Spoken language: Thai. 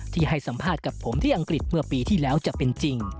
ให้สัมภาษณ์กับผมที่อังกฤษเมื่อปีที่แล้วจะเป็นจริง